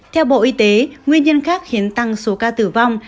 theo bộ y tế nguyên nhân khác khiến tăng số ca tử vong